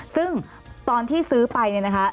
ซึ่งตอนที่ซื้อไปเนี่ยนะคะ